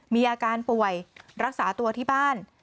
มีอาการป่วยรักษาตัวที่บ้าน